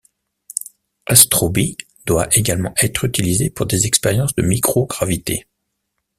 Astrobee doit également être utilisé pour des expériences de microgravité.